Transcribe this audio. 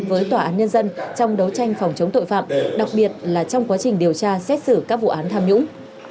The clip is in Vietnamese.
với tòa án nhân dân trong đấu tranh phòng chống tội phạm đặc biệt là trong quá trình điều tra xét xử các vụ án tham nhũng